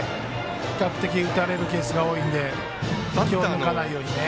比較的打たれるケースが多いので気を抜かないようにね。